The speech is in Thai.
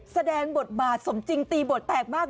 แสดงบทบาทสมจริงตีบทแตกมาก